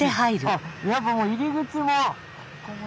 あやっぱもう入り口も。